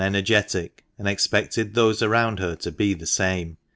energetic, and expected those around her to be the same.